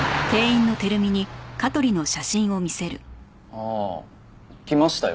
ああ来ましたよ